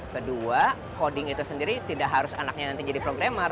kedua hoding itu sendiri tidak harus anaknya nanti jadi programmer